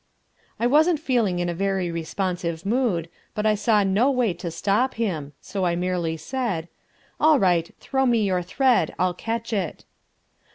I wasn't feeling in a very responsive mood, but I saw no way to stop him, so I merely said, "All right, throw me your thread, I'll catch it."